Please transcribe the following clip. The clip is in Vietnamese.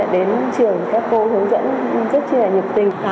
đến trường các cô hướng dẫn rất là nhiệt tình